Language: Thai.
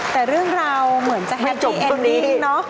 แต่เรื่องราวเหมือนจะแฮปปี้แอนดี้เนอะ